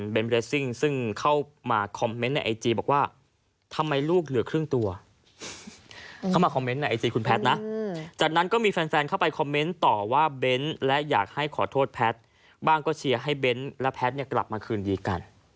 บ้างก็ให้เบนท์และแพทย์กลับมาคืนดีกัน